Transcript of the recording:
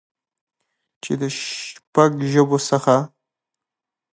چې د شپږ ژبو څخه